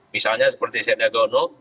misalnya seperti seda gono